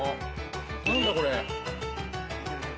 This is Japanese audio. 何だこれ。